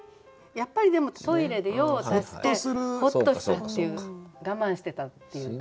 やっぱりでもトイレで用を足してほっとしたっていう我慢してたっていうとこが。